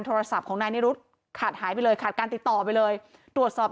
โทรศัพท์ของนายนิรุธขาดหายไปเลยขาดการติดต่อไปเลยตรวจสอบ